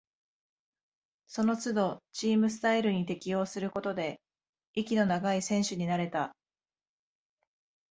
そのつどチームスタイルに適応することで、息の長い選手になれた